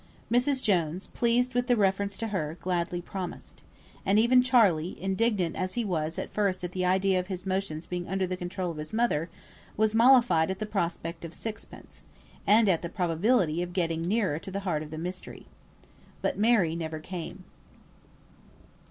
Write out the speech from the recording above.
Mrs. Jones, pleased with the reference to her, gladly promised. And even Charley, indignant as he was at first at the idea of his motions being under the control of his mother, was mollified at the prospect of the sixpence, and at the probability of getting nearer to the heart of the mystery. But Mary never came.